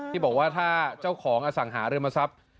ที่บอกว่าถ้าเจ้าของอสังหาริมทรัพย์